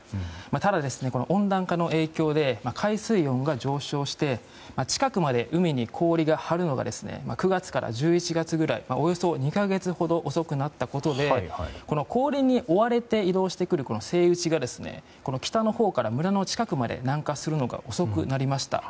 ただ、温暖化の影響で海水温が上昇して近くまで海に氷が張るのが９月から１１月ぐらいとおよそ２か月ほど遅くなったことで氷に追われて移動してくるセイウチが北のほうから村の近くまで南下するのが遅くなりました。